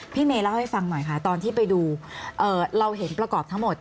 เมย์เล่าให้ฟังหน่อยค่ะตอนที่ไปดูเราเห็นประกอบทั้งหมด